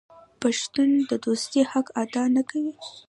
آیا پښتون د دوستۍ حق ادا نه کوي؟